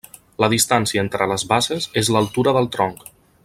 La distància entre les bases és l'altura del tronc.